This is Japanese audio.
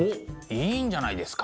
いいんじゃないですか？